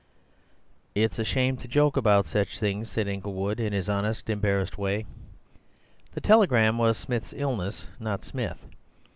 "It's a shame to joke about such things," said Inglewood, in his honest, embarrassed way; "the telegram was Smith's illness, not Smith.